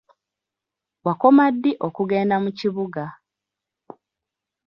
Wakoma ddi okugenda mu kibuga?